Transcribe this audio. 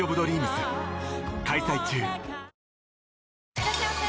いらっしゃいませ！